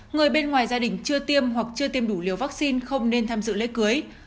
người bên ngoài gia đình chưa tiêm hoặc chưa tiêm đủ liều vaccine không nên tham dự lễ cưới